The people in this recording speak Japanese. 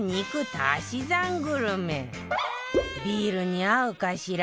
ビールに合うかしら？